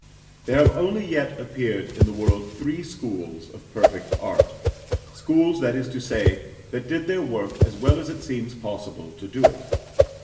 There have only yet appeared in the world three schools of perfect art schools, that is to say, that did their work as well as it seems possible to do it.